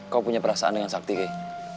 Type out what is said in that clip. kau punya perasaan dengan sakti kah